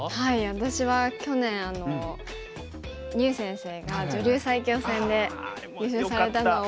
私は去年牛先生が女流最強戦で優勝されたのを。